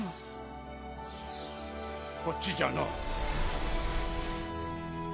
こっちじゃのう。